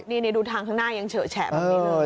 นี่ดูทางข้างหน้ายังเฉอะแฉะมากนิดหนึ่ง